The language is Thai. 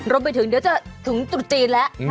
รวมไปถึงเดี๋ยวจะถึงจุดจีนแล้ว